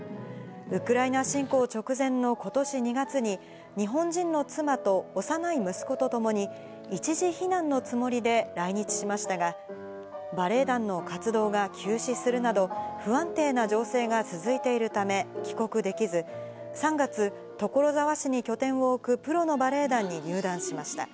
ウクライナ侵攻直前のことし２月に、日本人の妻と幼い息子と共に、一時避難のつもりで来日しましたが、バレエ団の活動が休止するなど、不安定な情勢が続いているため帰国できず、３月、所沢市に拠点を置くプロのバレエ団に入団しました。